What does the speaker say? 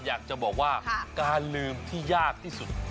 อยากจะบอกว่าการลืมที่ยากที่สุด